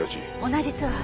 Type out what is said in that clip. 同じツアー？